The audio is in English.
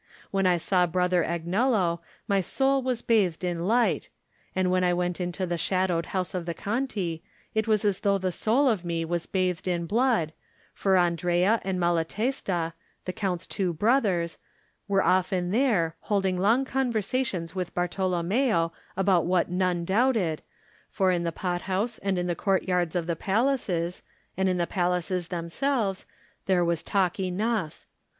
When I saw Brother Agnello my soul was bathed in light, and when I went into the shadowed house of the Conti it was as though the soul of me was bathed in blood, for Andrea and Malatesta, the Count's two brothers, were often there, holding long conversations with Bartolommeo about what none doubted, for in the pot house and in the courtyards of the palaces, and in the palaces themselves, there was talk enough.